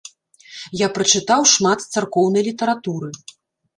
Я прачытаў шмат царкоўнай літаратуры.